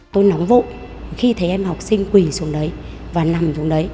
tôi nóng vụ khi thấy em học sinh quỳ xuống đấy và nằm xuống đấy